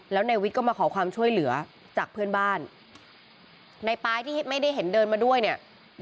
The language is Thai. แล้วในวิทย์ก็มาขอความช่วยเหลือจากเพื่อนบ้านในปลายที่ไม่ได้เห็นเดินมาด้วยเนี่ย